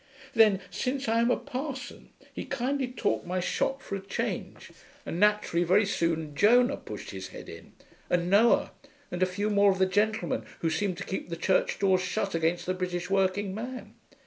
Then, since I am a parson, he kindly talked my shop for a change, and naturally very soon Jonah pushed his head in, and Noah, and a few more of the gentlemen who seem to keep the church doors shut against the British working man.